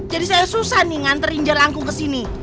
jadi saya susah nih nganterin jelangkung kesini